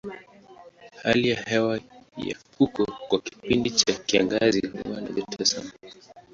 Hali ya hewa ya huko kwa kipindi cha kiangazi huwa na joto sana.